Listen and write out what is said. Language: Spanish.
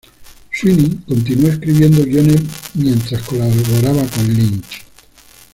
Sweeney continuó escribiendo guiones mientras colaboraba con Lynch.